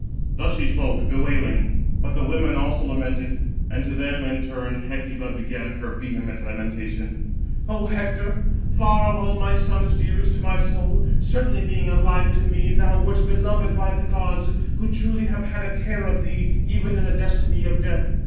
Thus she spoke, bewailing; but the women also lamented; and to them in turn Hecuba began her vehement lamentation: "O Hector, far of all my sons dearest to my soul, certainly being alive to me, thou wert beloved by the gods, who truly have had a care of thee, even in the destiny of death.